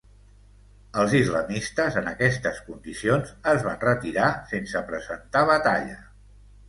Els islamistes en aquestes condicions, es van retirar sense presentar batalla.